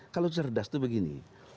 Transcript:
kalau cerdas tuh begini